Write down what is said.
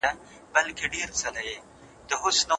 موږ باید د پرمختللو هېوادونو تجربې وکاروو.